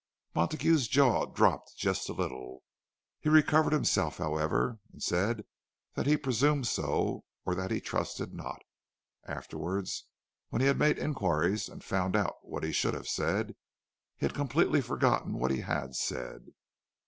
Montague's jaw dropped just a little. He recovered himself, however, and said that he presumed so, or that he trusted not; afterward, when he had made inquiries and found out what he should have said, he had completely forgotten what he had said.